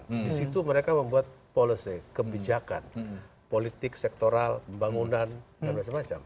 di situ mereka membuat policy kebijakan politik sektoral pembangunan dan macam macam